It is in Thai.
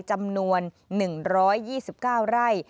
จำนวน๑๒๙ไร่